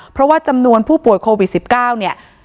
เพราะว่าจำนวนผู้ป่วยโควิด๑๙เนี่ย